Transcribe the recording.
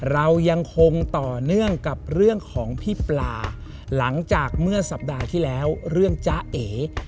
เรายังคงต่อเนื่องกับเรื่องของพี่ปลาหลังจากเมื่อสัปดาห์ที่แล้วเรื่องจ๊ะเอ